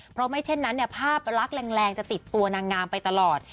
เพราะไม่เช่นนั้นภาพลักษณ์แรงจะติดตัวนางงามไปตลอด